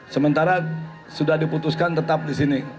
sementara sudah diputuskan tetap disini